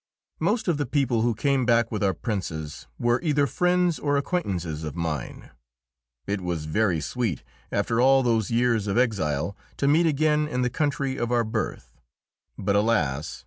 Most of the people who came back with our Princes were either friends or acquaintances of mine. It was very sweet, after all those years of exile, to meet again in the country of our birth. But, alas!